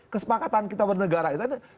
kesepakatan kita bernegara itu